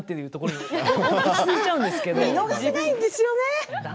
見逃せないんですよね。